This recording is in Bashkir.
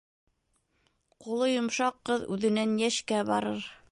Ҡулы йомшаҡ ҡыҙ үҙенән йәшкә барыр.